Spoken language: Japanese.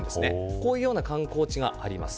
このような観光地があります。